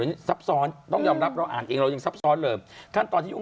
กับทองคำหรือเงินมากที่สุด